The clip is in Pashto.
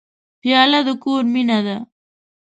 پیاله د کور مینه ده.